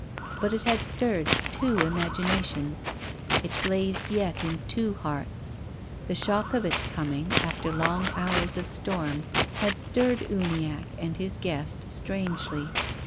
But it had stirred two imaginations. It blazed yet in two hearts. The shock of its coming, after long hours of storm, had stirred Uniacke and his guest strangely.